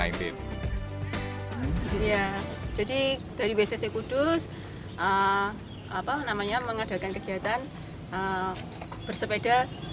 ya jadi dari wcc kudus apa namanya mengadakan kegiatan bersepeda